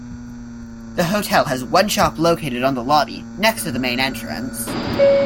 The hotel has one shop located on the lobby next to the main entrance.